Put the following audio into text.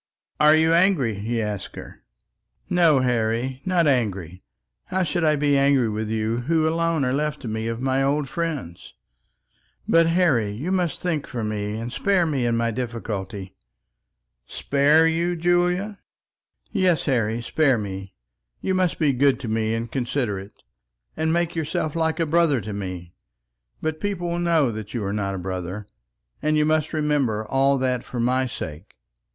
"Are you angry?" he asked her. "No, Harry; not angry. How should I be angry with you who alone are left to me of my old friends? But, Harry, you must think for me, and spare me in my difficulty." "Spare you, Julia?" "Yes, Harry, spare me; you must be good to me and considerate, and make yourself like a brother to me. But people will know you are not a brother, and you must remember all that, for my sake.